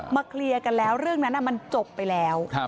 เคลียร์กันแล้วเรื่องนั้นมันจบไปแล้ว